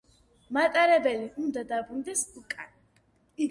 მატარებელი უნდა დაბრუნდეს უკან.